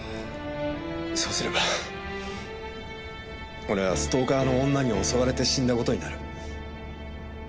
そうすれば俺はストーカーの女に襲われて死んだ事になる。